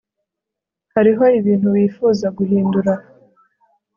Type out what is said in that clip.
Hariho ibintu wifuza guhindura